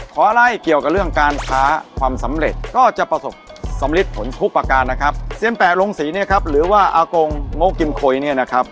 ขอไล่เกี่ยวกับเรื่องการค้าความสำเร็จก็จะประสบสำริดผลทุกประการนะครับเซียมแปะลงศรีเนี่ยครับหรือว่าอากงโง่กิมโคยเนี่ยนะครับ